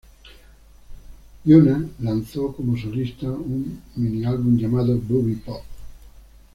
Hyuna lanzó como solista un mini-álbum llamado Bubble Pop!